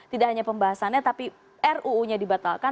tidak hanya pembahasannya tapi ruu nya dibatalkan